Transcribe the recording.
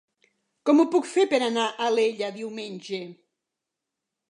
Com ho puc fer per anar a Alella diumenge?